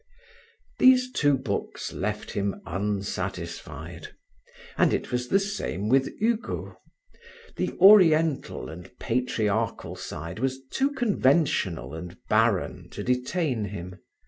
These two books left him unsatisfied. And it was the same with Hugo; the oriental and patriarchal side was too conventional and barren to detain him.